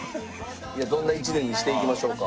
いやどんな１年にしていきましょうか。